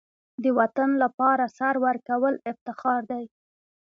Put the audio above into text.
د وطن لپاره سر ورکول افتخار دی.